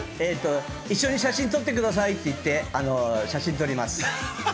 一緒に写真を撮ってくださいって言って写真を撮ります。